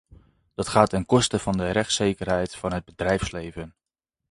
Dat gaat ten koste van de rechtszekerheid van het bedrijfsleven.